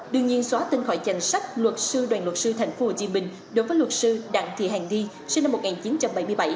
đương nhiên xóa tên khỏi danh sách luật sư đoàn luật sư tp hcm đối với luật sư đặng thị hàng ni sinh năm một nghìn chín trăm bảy mươi bảy